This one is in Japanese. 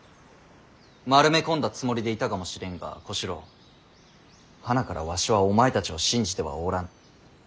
丸め込んだつもりでいたかもしれんが小四郎はなからわしはお前たちを信じてはおらぬ。